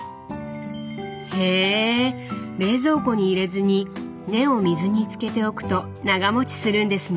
へ冷蔵庫に入れずに根を水につけておくと長もちするんですね。